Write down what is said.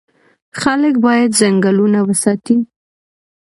خلک باید ځنګلونه وساتي.